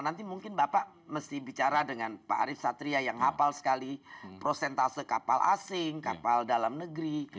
nanti mungkin bapak mesti bicara dengan pak arief satria yang hafal sekali prosentase kapal asing kapal dalam negeri